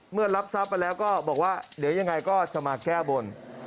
รับทรัพย์ไปแล้วก็บอกว่าเดี๋ยวยังไงก็จะมาแก้บน